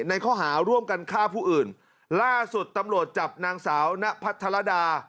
ในข้อหาร่วมกันฆ่าผู้อื่นล่าสุดตำรวจจับนางสาวนพัทรดา